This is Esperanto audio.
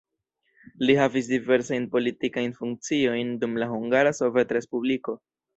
Li havis diversajn politikajn funkciojn dum la Hungara Sovetrespubliko.